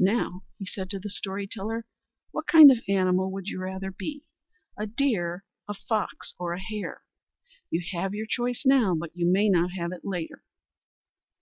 "Now," said he to the story teller, "what kind of animal would you rather be, a deer, a fox, or a hare? You have your choice now, but you may not have it later."